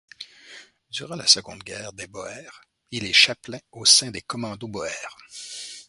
Durant la Seconde Guerre des Boers, il est chapelain au sein des commandos boers.